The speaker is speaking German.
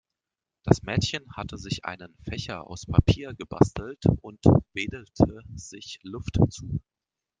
Das Mädchen hatte sich einen Fächer aus Papier gebastelt und wedelte sich Luft zu.